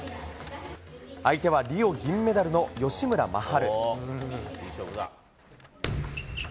相手はリオ銀メダルの吉村真晴。